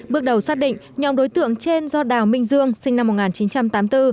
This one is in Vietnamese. bước đầu xác định nhóm đối tượng trên do đào minh dương sinh năm một nghìn chín trăm tám mươi bốn